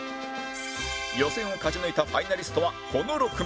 予選を勝ち抜いたファイナリストはこの６名